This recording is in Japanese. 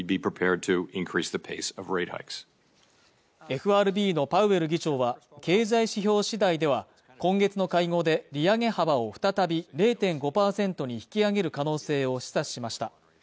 ＦＲＢのパウエル議長は、経済指標次第では今月の会合で利上げ幅を再び０．５％に引き上げる可能性を示唆しました。